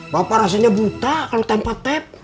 bapak rasanya buta kalo tempat tep